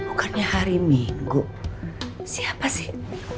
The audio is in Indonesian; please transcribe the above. bukannya hari minggu siapa sih